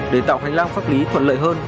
để tạo hành lang pháp lý thuận lợi hơn